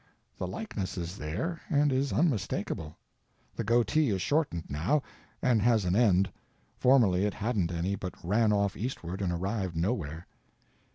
The likeness is there, and is unmistakable. The goatee is shortened, now, and has an end; formerly it hadn't any, but ran off eastward and arrived nowhere.